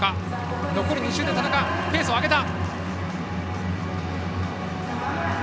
残り２周でペースを上げた。